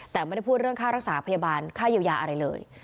แต่ไม่ได้พูดเรื่องค่ารักษาพยาบาลค่าเยียวยาอะไรเลย